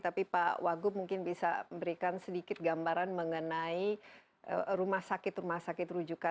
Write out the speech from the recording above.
tapi pak wagub mungkin bisa memberikan sedikit gambaran mengenai rumah sakit rumah sakit rujukan